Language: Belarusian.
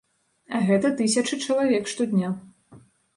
А гэта тысячы чалавек штодня.